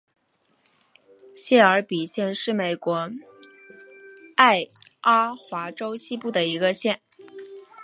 谢尔比县是美国爱阿华州西部的一个县。